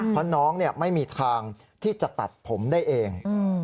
เพราะน้องไม่มีทางที่จะตัดผมได้เอง